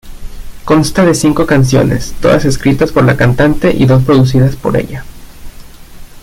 Consta de cinco canciones, todas escritas por la cantante y dos producidas por ella.